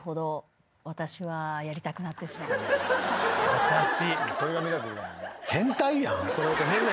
優しい。